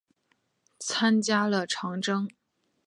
参加了长征。